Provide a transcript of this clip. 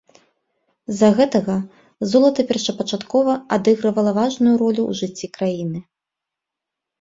З-за гэтага, золата першапачаткова адыгрывала важную ролю ў жыцці краіны.